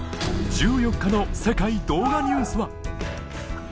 １４日の『世界動画ニュース』は